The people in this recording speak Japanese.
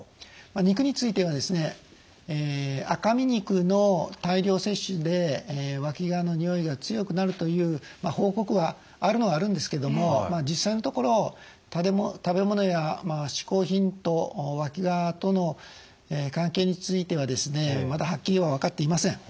肉については赤身肉の大量摂取でわきがのにおいが強くなるという報告はあるのはあるんですけども実際のところ食べ物や嗜好品とわきがとの関係についてはまだはっきりは分かっていません。